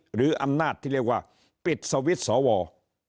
หรืออำนาจที่เรียกว่าปิดสวิตช์สว